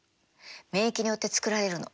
免疫によって作られるの。